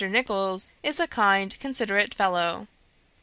Nicholls is a kind, considerate fellow.